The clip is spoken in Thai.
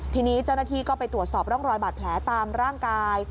ทีนี้เจ้าหน้าที่ก็ไปตรวจสอบร่องรอยบาดแผลตามร่างกาย